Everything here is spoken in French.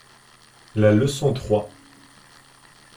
La leçon trois.